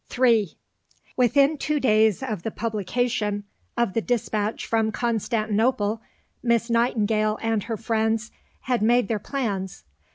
III Within two days of the publication of the dispatch from Constantinople, Miss Nightingale and her friends had made their plans.